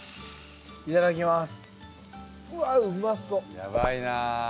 やばいな。